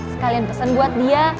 sekalian pesan buat dia